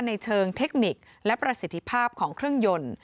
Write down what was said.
ในเชิงเทคนิคและประสิทธิภาพของเครื่องยนต์